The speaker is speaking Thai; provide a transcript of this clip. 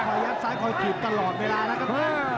ยัดซ้ายคอยถีบตลอดเวลานะครับ